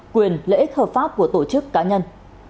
quyền lợi ích hợp pháp của tổ chức cá nhân